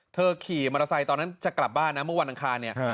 ขี่มอเตอร์ไซค์ตอนนั้นจะกลับบ้านนะเมื่อวันอังคารเนี่ย